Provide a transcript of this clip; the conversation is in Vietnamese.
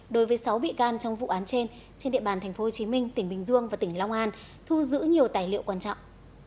đối với sáu bị can trong vụ án trên trên địa bàn tp hcm tỉnh bình dương và tỉnh long an thu giữ nhiều tài liệu quan trọng